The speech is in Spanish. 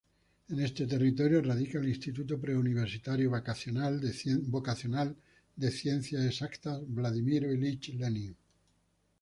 En este territorio radica el Instituto Preuniversitario Vocacional de Ciencias Exactas Vladimir Ilich Lenin.